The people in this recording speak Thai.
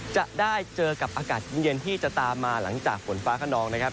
จะได้เจอกับอากาศเย็นที่จะตามมาหลังจากฝนฟ้าขนองนะครับ